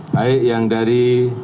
baik yang dari